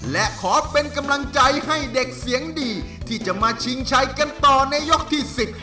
และขอเป็นกำลังใจให้เด็กเสียงดีที่จะมาชิงชัยกันต่อในยกที่สิบ